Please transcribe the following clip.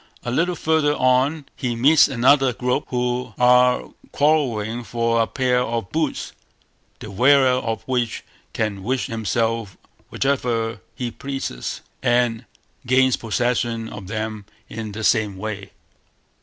A little further on he meets another group, who are quarrelling for a pair of boots, the wearer of which can wish himself whithersoever he pleases, and gains possession of them in the same way.